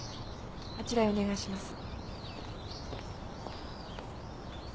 あちらへお願いします。